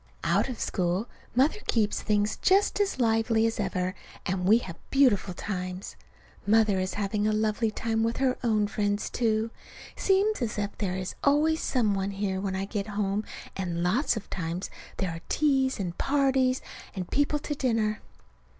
Out of school Mother keeps things just as lively as ever, and we have beautiful times. Mother is having a lovely time with her own friends, too. Seems as if there is always some one here when I get home, and lots of times there are teas and parties, and people to dinner.